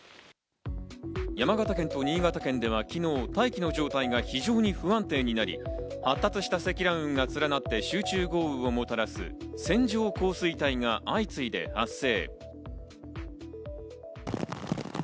山形県と新潟県では昨日、大気の状態が非常に不安定になり、発達した積乱雲が連なって集中豪雨をもたらす線状降水帯が相次いで発生。